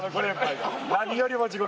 何よりも地獄。